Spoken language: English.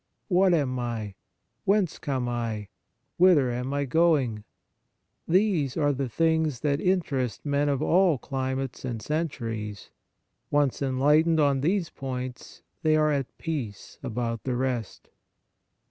What am I ? Whence come I ? Whither am I going ? These are the things that interest men of all climates and centuries ; once enlightened on these points, they are at peace about the rest.